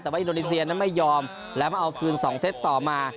แต่ว่าอินโดนีเซียนั้นไม่ยอมแล้วมาเอาคืน๒เซตต่อมา